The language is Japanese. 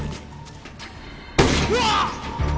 うわあっ！